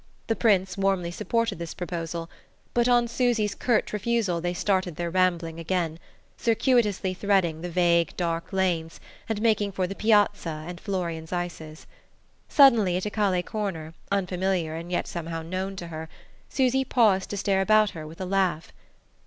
The Prince warmly supported this proposal; but on Susy's curt refusal they started their rambling again, circuitously threading the vague dark lanes and making for the Piazza and Florian's ices. Suddenly, at a calle corner, unfamiliar and yet somehow known to her, Susy paused to stare about her with a laugh.